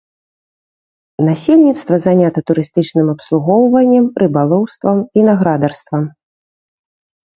Насельніцтва занята турыстычным абслугоўваннем, рыбалоўствам, вінаградарствам.